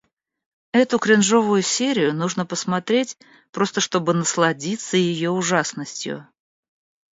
Эту кринжовую серию нужно посмотреть, просто чтобы насладиться её ужасностью.